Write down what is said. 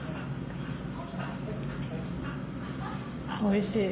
おいしい。